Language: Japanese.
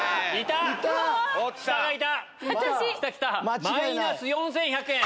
マイナス４１００円。